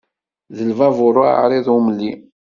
Di lbabur uɛriḍ umli.